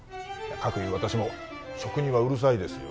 かくいう私も食にはうるさいですよ